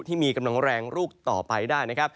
ที่มีกำลังแรงรูปต่อไปได้